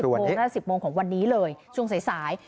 ๑๐โมงน่าจะ๑๐โมงของวันนี้เลยช่วงสายสาย